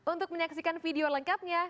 untuk menyaksikan video lengkapnya